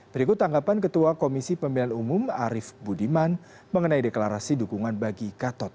berikut tanggapan ketua komisi pemilihan umum arief budiman mengenai deklarasi dukungan bagi gatot